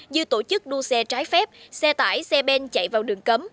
như tổ chức đua xe trái phép xe tải xe ben chạy vào đường cấm